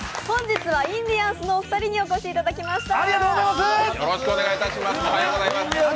本日はインディアンスのお二人にお越しいただきました。